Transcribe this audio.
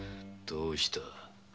どうした？